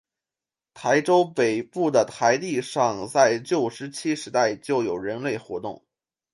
市川北部的台地上在旧石器时代就有人类活动。